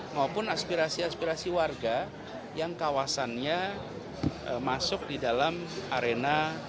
maupun aspirasi aspirasi warga yang kawasannya masuk di dalam arena